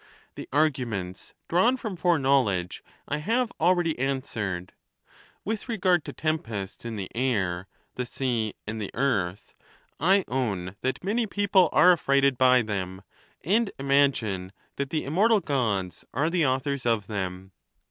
The arguments drawn from fore knowledge I have already answered. With regard to tem pests in the air, the sea, and the earth, I own that niany people are affrighted by them, and imagine that the im mortal Gods are the authors of them.